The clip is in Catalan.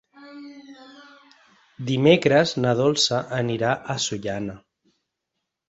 Dimecres na Dolça anirà a Sollana.